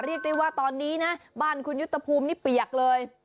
เรียกได้ว่าตอนนี้นะบ้านคุณยุทธภูมินี่เปียกเลย